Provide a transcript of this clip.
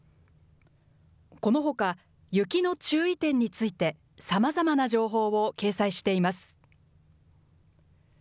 このほか、雪の注意点について、さまざまな情報を掲載しています。